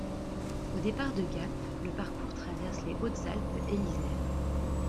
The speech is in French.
Au départ de Gap, le parcours traverse les Hautes-Alpes et l'Isère.